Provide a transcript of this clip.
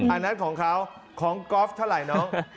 อันนั้นของเขาของกอล์ฟเท่าไหร่น้อง